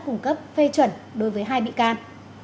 cung cấp phê chuẩn đối với hai bị can